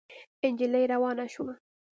نجلۍ روانه شوه.